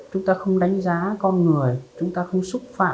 chúng ta không đánh giá con người chúng ta không xúc phạm nhân phẩm